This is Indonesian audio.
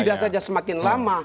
tidak saja semakin lama